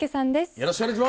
よろしくお願いします。